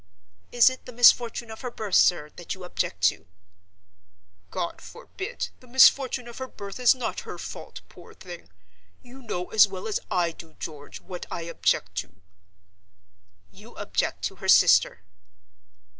"Is it the misfortune of her birth, sir, that you object to?" "God forbid! the misfortune of her birth is not her fault, poor thing. You know as well as I do, George, what I object to." "You object to her sister?"